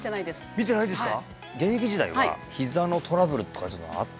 見てないですか？